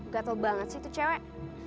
gatel banget sih itu cewek